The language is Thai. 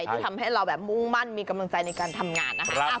ที่ทำให้เราแบบมุ่งมั่นมีกำลังใจในการทำงานนะคะ